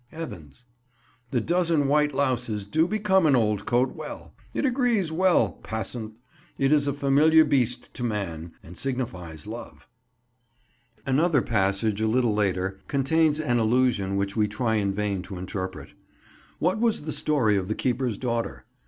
Evans. The dozen white louses do become an old coat well; it agrees well, passant; it is a familiar beast to man, and signifies love. Another passage a little later contains an allusion which we try in vain to interpret. What was the story of the keeper's daughter?